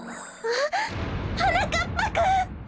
あっはなかっぱくん！